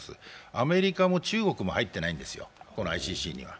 アメリカも中国も入っていないんですよ、このＩＣＣには。